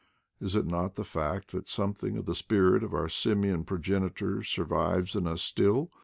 Is it not the fact that something of the spirit of our simian progenitors survives in us still!